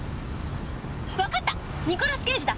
わかったニコラス・ケイジだ！